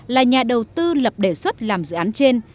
là nhà đầu tư lập đề xuất làm dự án trên